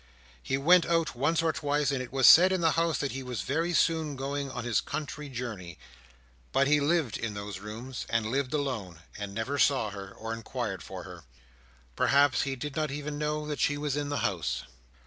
He went out once or twice, and it was said in the house that he was very soon going on his country journey; but he lived in those rooms, and lived alone, and never saw her, or inquired for her. Perhaps he did not even know that she was in the house.